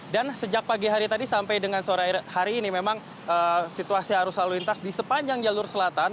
dan sejak pagi hari tadi sampai dengan sore hari ini memang situasi arus lalu lintas di sepanjang jalur selatan